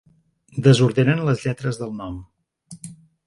Desordenen les lletres del nom.